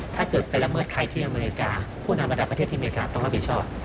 ถ้าเกิดไปละเมิดใครที่อเมริกาผู้นำระดับประเทศที่อเมริกาต้องรับผิดชอบ